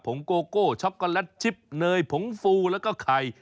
งโกโก้ช็อกโกแลตชิปเนยผงฟูแล้วก็ไข่